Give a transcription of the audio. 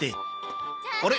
あれ？